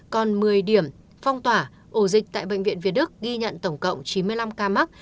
còn một mươi điểm phong tỏa ổ dịch tại bệnh viện việt đức ghi nhận tổng cộng chín mươi năm ca mắc